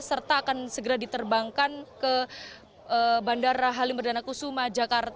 serta akan segera diterbangkan ke bandara halimerdana kusuma